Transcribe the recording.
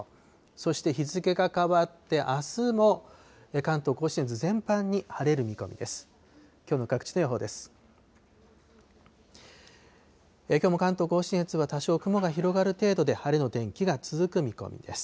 そして日付が変わってあすも、関東甲信越、全般に晴れる見込みです。